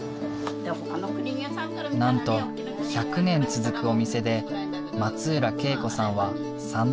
なんと１００年続くお店で松浦恵子さんは３代目店主。